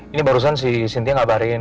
ini barusan si cynthia ngabarin